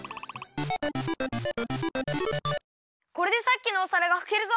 これでさっきのお皿がふけるぞ！